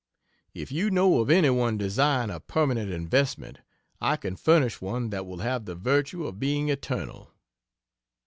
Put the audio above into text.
If you know of any one desiring a permanent investment, I can furnish one that will have the virtue of being eternal.